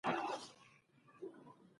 د کرنې لپاره د ځمکې مناسب مدیریت اړین دی.